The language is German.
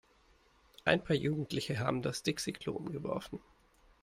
Ein paar Jugendliche haben das Dixi-Klo umgeworfen.